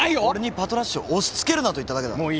俺にパトラッシュを押し付けるなと言っただけだ。